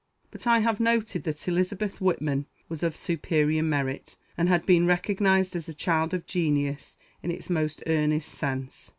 But I have noted that Elizabeth Whitman was of superior merit, and had been recognized as a child of genius in its most earnest sense.